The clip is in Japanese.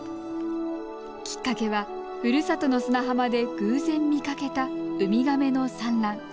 きっかけはふるさとの砂浜で偶然見かけたウミガメの産卵。